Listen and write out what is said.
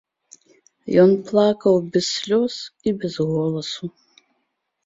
Ён плакаў без слёз і без голасу.